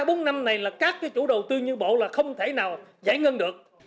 nếu bố trí thì rõ ràng ba bốn năm này là các chủ đầu tư như bộ là không thể nào giải ngân được